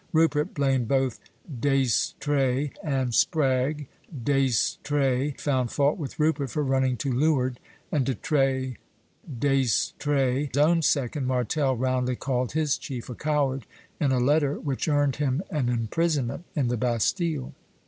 Rupert blamed both D'Estrées and Spragge; D'Estrées found fault with Rupert for running to leeward; and D'Estrées' own second, Martel, roundly called his chief a coward, in a letter which earned him an imprisonment in the Bastille.